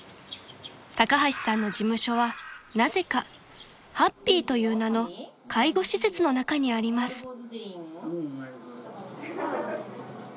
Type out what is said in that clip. ［高橋さんの事務所はなぜか「はっぴー」という名の介護施設の中にあります］